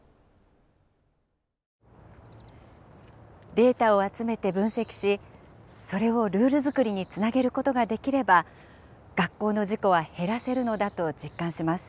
データを集めて分析しそれをルール作りにつなげることができれば学校の事故は減らせるのだと実感します。